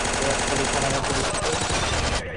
এরা খলিফা নামেও পরিচিত।